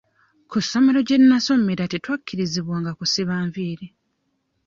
Ku ssomero gye nasomera tetwakkirizibwanga kusiba nviiri.